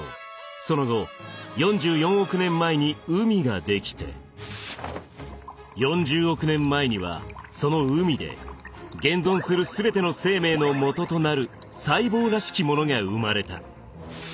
その後４４億年前に海が出来て４０億年前にはその海で現存する全ての生命のもととなる細胞らしきものが生まれた。